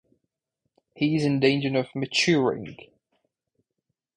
He's in danger of maturing.